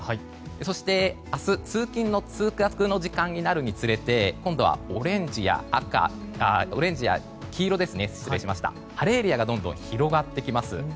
そして、明日通勤・通学の時間になるにつれて今度はオレンジや黄色晴れエリアがどんどん広がってきます。